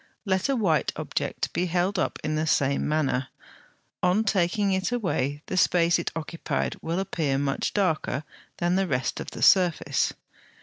Let a white object be held up in the same manner: on taking it away the space it occupied will appear much darker than the rest of the surface.